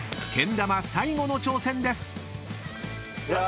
［けん玉最後の挑戦です］